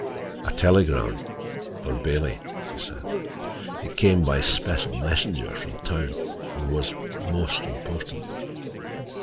"A telegram—for Bailey," he said. "It came by special messenger from town, and was—most important.